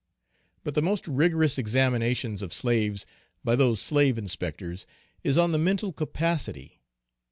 But the most rigorous examinations of slaves by those slave inspectors, is on the mental capacity.